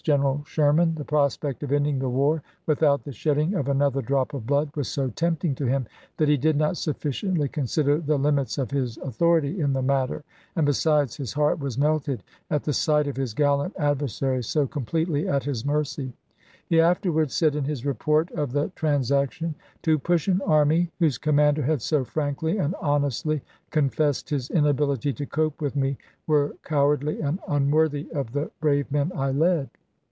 General Sherman ; the prospect of ending the wai without the shedding of another drop of blood was so tempting to him that he did not sufficiently consider the limits of his authority in the matter ; and besides, his heart was melted at the sight of his gallant adversary so completely at his mercy. He afterwards said in his report of the transaction : "To push an army whose commander had so frankly and honestly confessed his inability to cope with me were cowardly and unworthy of the brave men I led."